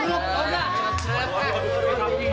ngapain kalian disini